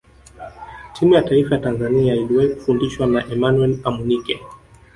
timu ya taifa ya tanzania iliwahi kufundishwa na emmanuel amunike